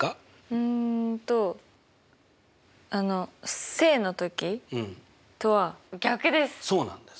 うんとあの正の時とは逆です。